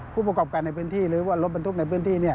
ผู้ประกอบการในพื้นที่หรือว่ารถบรรทุกในพื้นที่